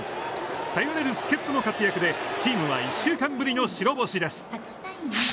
頼れる助っ人の活躍でチームは１週間ぶりの白星です。